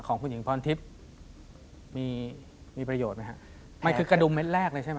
ของคุณหญิงพรทิพย์มีประโยชน์ไหมฮะ